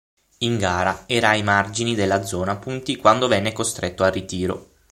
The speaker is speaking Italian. In gara era ai margini della zona punti quando venne costretto al ritiro.